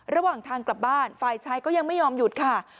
ระหว่างทางกลับบ้านฝ่ายชายก็ยังไม่ยอมหยุดค่ะ